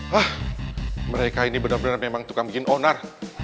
hah mereka ini bener bener memang tukang bikin onar